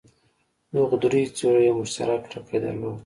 دغو دریو څېرو یو مشترک ټکی درلود.